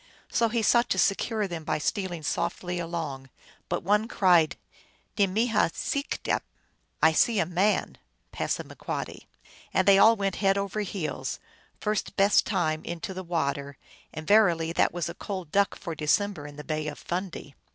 So he sought to secure them by stealing softly along ; but one cried, " Ne miha skedap !"" I see a man !" P., and they all went head over heels, first best time, into the water ; 282 THE ALGONQUIN LEGENDS. and verily that was a cold duck for December in the Bay of Fundy.